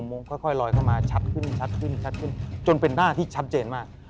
โมงค่อยลอยเข้ามาชัดขึ้นจนเป็นหน้าที่ชัดเจนมาก